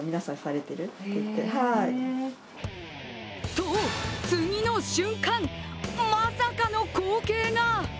と、次の瞬間まさかの光景が！